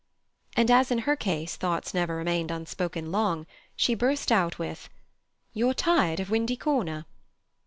And as in her case thoughts never remained unspoken long, she burst out with: "You're tired of Windy Corner."